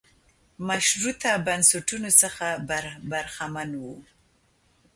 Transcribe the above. مشروطه بنسټونو څخه برخمن و.